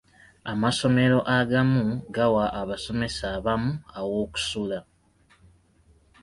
Amasomero agamu gawa abasomesa abamu aw'okusula.